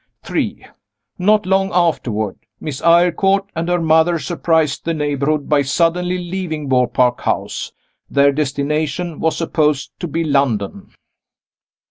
3. Not long afterward, Miss Eyrecourt and her mother surprised the neighborhood by suddenly leaving Beaupark House. Their destination was supposed to be London.